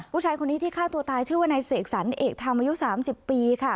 ผู้ชายคนนี้ที่ฆ่าตัวตายชื่อว่านายเสกสรรเอกธรรมอายุ๓๐ปีค่ะ